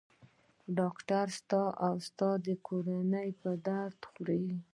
ډاکټر ستا او ستا د کورنۍ په درد خوري.